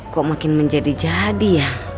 kok makin menjadi jadi ya